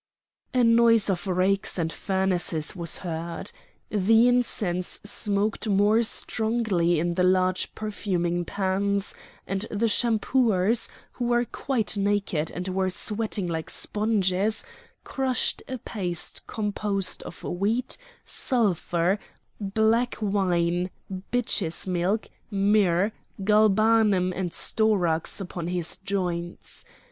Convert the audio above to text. A noise of rakes and furnaces was heard. The incense smoked more strongly in the large perfuming pans, and the shampooers, who were quite naked and were sweating like sponges, crushed a paste composed of wheat, sulphur, black wine, bitch's milk, myrrh, galbanum and storax upon his joints.